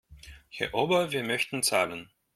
Herr Ober, wir möchten zahlen.